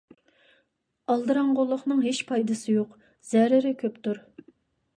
ئالدىراڭغۇلۇقنىڭ ھېچ پايدىسى يوق، زەرىرى كۆپتۇر.